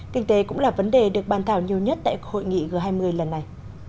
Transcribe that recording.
kinh tế cũng là vấn đề được bàn thảo nhiều nhất tại hội nghị g hai mươi lần này